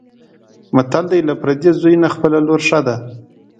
متل دی: له پردي زوی نه خپله لور ښه ده.